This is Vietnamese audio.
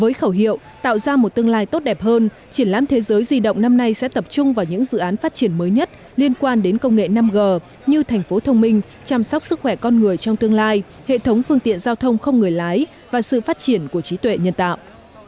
với khẩu hiệu tạo ra một tương lai tốt đẹp hơn triển lãm thế giới di động năm nay sẽ tập trung vào những dự án phát triển mới nhất liên quan đến công nghệ năm g như thành phố thông minh chăm sóc sức khỏe con người trong tương lai hệ thống phương tiện giao thông không người lái và sự phát triển của trí tuệ nhân tạo